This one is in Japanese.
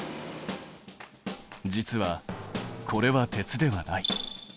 実はこれは鉄ではない。